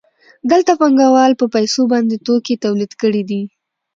دلته پانګوال په پیسو باندې توکي تولید کړي دي